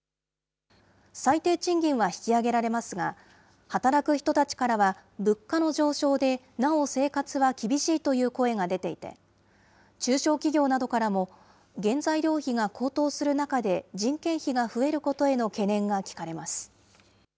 最低賃金は引き上げられますが、働く人たちからは、物価の上昇でなお生活は厳しいという声が出ていて、中小企業などからも、原材料費が高騰する中で、人件費が増えることへの懸念が聞かれます。